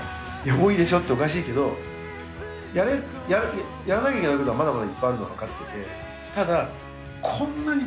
もういいでしょっておかしいけどやらなきゃいけないことはまだまだいっぱいあるのは分かってて。